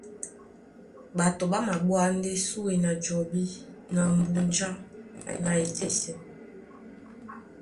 Ɓato ɓá maɓwá ndé súe na jɔbí na mbúnjá na epésɛ.